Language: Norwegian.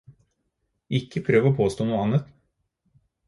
Ikke prøv å påstå noe annet.